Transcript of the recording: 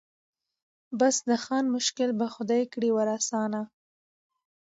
بس د خان مشکل به خدای کړي ور آسانه